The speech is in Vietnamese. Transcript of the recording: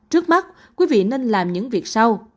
trước mắt quý vị nên làm những việc sau